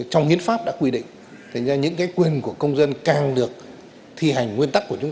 trong hiến pháp đã quy định thành ra những cái quyền của công dân càng được thi hành nguyên tắc của địa phương